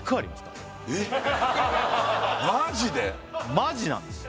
マジなんですよ